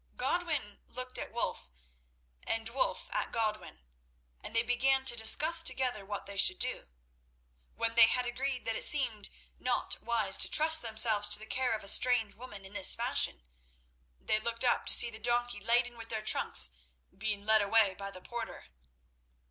Godwin looked at Wulf, and Wulf at Godwin, and they began to discuss together what they should do. When they had agreed that it seemed not wise to trust themselves to the care of a strange woman in this fashion, they looked up to see the donkey laden with their trunks being led away by the porter.